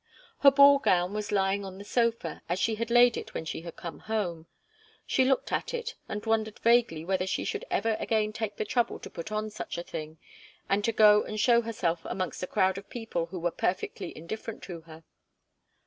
Her ball gown was lying on the sofa, as she had laid it when she had come home. She looked at it and wondered vaguely whether she should ever again take the trouble to put on such a thing, and to go and show herself amongst a crowd of people who were perfectly indifferent to her.